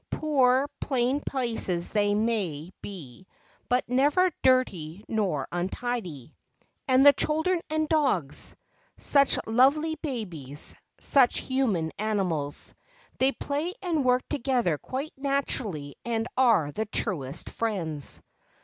Poor, plain places they may be, but never dirty nor untidy. And the children and dogs! Such lovely babies; such human animals. They play and work together quite naturally and are the truest friends.